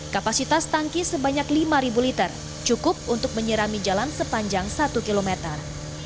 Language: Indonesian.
kapasitas tangki sebanyak lima liter cukup untuk menyirami jalan sepanjang satu kilometer